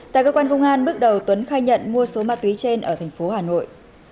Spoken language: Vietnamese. tại cơ quan công an bước đầu tuấn khai nhận mua số ma túy trên ở thành phố hà nội